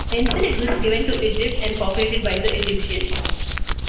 Instead, it was given to Egypt and populated by Egyptians.